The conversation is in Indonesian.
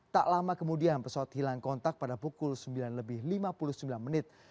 tak lama kemudian pesawat hilang kontak pada pukul sembilan lebih lima puluh sembilan menit